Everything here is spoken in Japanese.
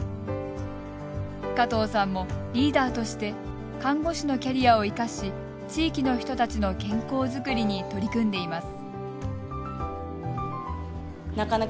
加藤さんもリーダーとして看護師のキャリアを生かし地域の人たちの健康づくりに取り組んでいます。